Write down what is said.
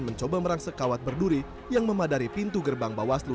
mencoba merangsek kawat berduri yang memadari pintu gerbang bawaslu